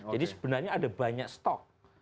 jadi sebenarnya ada banyak stok